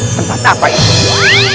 tempat apa itu